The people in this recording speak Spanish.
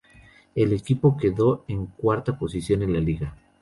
El equipo quedó en cuarta posición en la Liga.